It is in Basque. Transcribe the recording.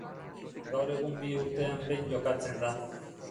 Gaur egun bi urtean behin jokatzen da.